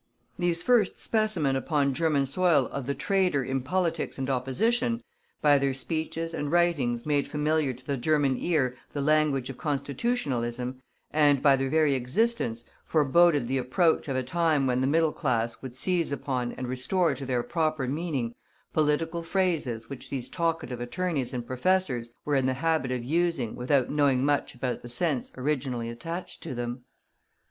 These first specimen upon German soil of the trader in politics and opposition, by their speeches and writings made familiar to the German ear the language of Constitutionalism, and by their very existence foreboded the approach of a time when the middle class would seize upon and restore to their proper meaning political phrases which these talkative attorneys and professors were in the habit of using without knowing much about the sense originally attached to them.